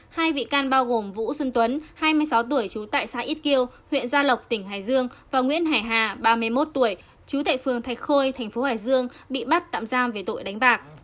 hai vị can bao gồm vũ xuân tuấn hai mươi sáu tuổi trú tại xã ít kiêu huyện gia lộc tỉnh hải dương và nguyễn hải hà ba mươi một tuổi chú tại phường thạch khôi thành phố hải dương bị bắt tạm giam về tội đánh bạc